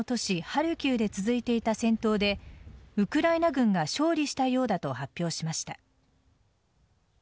ハルキウで続いていた戦闘でウクライナ軍が勝利したようだと発表しました。